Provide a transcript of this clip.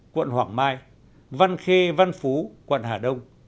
quận hoàng mai văn khê văn phú quận hà đông